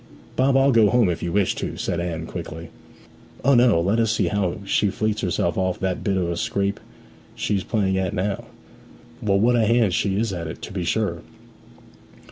'Bob, I'll go home if you wish to,' said Anne quickly. 'O no let us see how she fleets herself off that bit of a scrape she's playing at now. Well, what a hand she is at it, to be sure!'